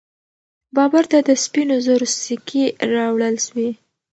بابر ته د سپینو زرو سکې راوړل سوې.